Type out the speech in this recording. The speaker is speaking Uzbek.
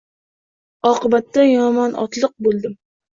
Oqibatda yomonotliq bo‘ldim